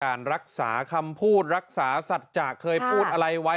การรักษาคำพูดรักษาสัจจะเคยพูดอะไรไว้